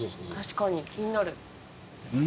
確かに気になる。